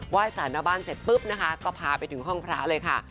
ยสารหน้าบ้านเสร็จปุ๊บนะคะก็พาไปถึงห้องพระเลยค่ะ